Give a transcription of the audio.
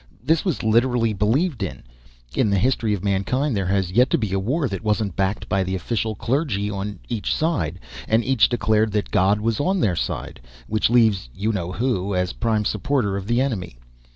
This was literally believed. In the history of mankind there has yet to be a war that wasn't backed by the official clergy on each side. And each declared that God was on their side. Which leaves You Know Who as prime supporter of the enemy.